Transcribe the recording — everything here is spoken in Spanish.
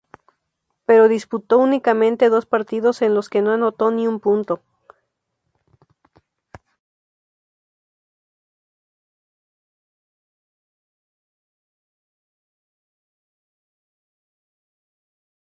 Pero disputó únicamente dos partidos en los que no anotó ni un punto.